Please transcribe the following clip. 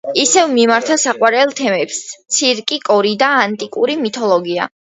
ისევ მიმართა საყვარელ თემებს ცირკი, კორიდა, ანტიკური მითოლოგია.